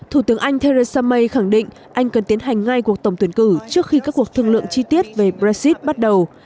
thủ tướng anh theresa may khẳng định anh cần tiến hành ngay cuộc tổng tuyển cử trước khi các cuộc thương lượng chi tiết về brexit bắt đầu